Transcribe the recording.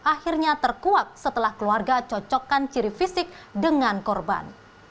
akhirnya terkuak setelah keluarga cocokkan ciri fisik dengan korban